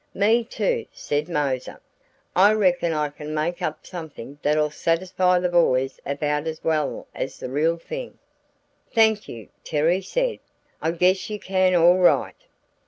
"Me too," said Moser. "I reckon I can make up something that'll satisfy the boys about as well as the real thing." "Thank you," Terry said. "I guess you can all right!